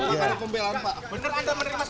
ya sudah bagus